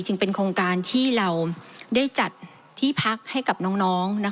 โครงการที่เราได้จัดที่พักให้กับน้อง